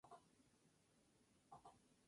Oye, ¿dónde está el amor?